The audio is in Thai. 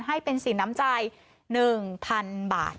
ให้เป็นสินน้ำใจ๑๐๐๐บาท